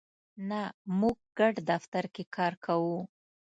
نه، موږ ګډ دفتر کی کار کوو